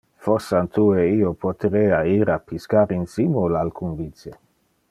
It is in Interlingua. Forsan tu e io poterea ir a piscar insimul alcun vice.